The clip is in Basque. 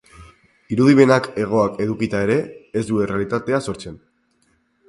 Irudimenak hegoak edukita ere, ez du errealitatea sortzen.